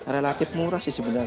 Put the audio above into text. relatif murah sih sebenarnya